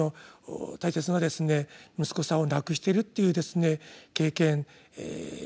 大切な息子さんを亡くしてるっていう経験